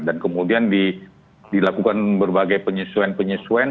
dan kemudian dilakukan berbagai penyesuaian penyesuaian